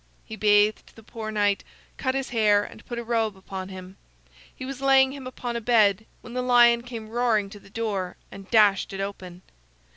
He bathed the poor knight, cut his hair, and put a robe upon him. He was laying him upon a bed when the lion came roaring to the door and dashed it open.